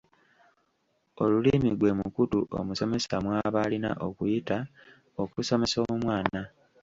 Olulimi gwe mukutu omusomesa mw’aba alina okuyita okusomesa omwana.